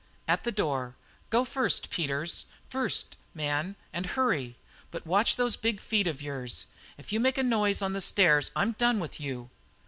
At the door: "Go first, Peters first, man, and hurry, but watch those big feet of yours. If you make a noise on the stairs I'm done with you."